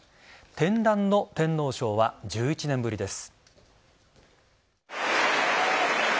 天覧の天皇賞は１１年ぶりです。